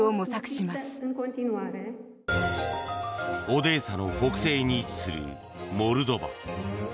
オデーサの北西に位置するモルドバ。